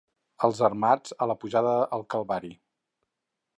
Els Armats a la pujada al Calvari.